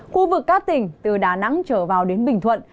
khu vực các tỉnh từ đà nẵng trở vào đến bình thuận